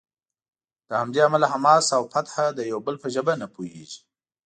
له همدې امله حماس او فتح د یو بل په ژبه نه پوهیږي.